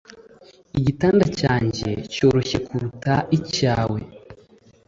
Igitanda cyanjye cyoroshye kuruta icyawe